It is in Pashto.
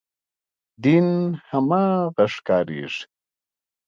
دین هماغه ښکارېږي.